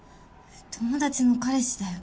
友達の彼氏だよ。